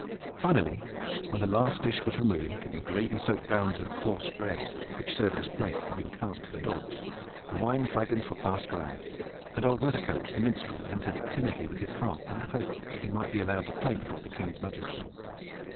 Finally, when the last dish was removed and the gravy soaked rounds of coarse bread which served as plates had been cast to the dogs, the wine flagons were passed round; and old Weathercote the minstrel entered timidly with his harp in the hope that he might be allowed to play before the King's majesty.